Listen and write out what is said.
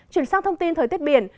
chuyển sang thông tin thời tiết biển